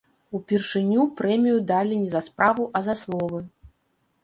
Упершыню прэмію далі не за справу, а за словы.